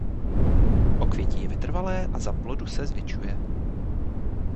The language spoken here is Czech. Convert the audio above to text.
Okvětí je vytrvalé a za plodu se zvětšuje.